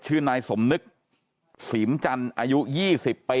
ชื่อนายส่มนึกสีมจันทร์อายุ๒๐ปี